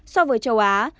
so với châu á